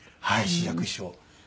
枝雀師匠。